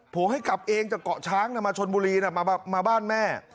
ผมให้กลับเองจากเกาะช้างมาชนบุรีมาบ้านแม่